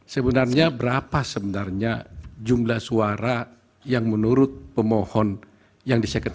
sebenarnya berapa sebenarnya jumlah suara yang menurut pemohon yang disekretari